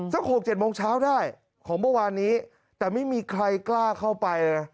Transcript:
๖๗โมงเช้าได้ของเมื่อวานนี้แต่ไม่มีใครกล้าเข้าไป